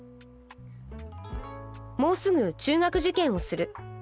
もうすぐ中学受験をする。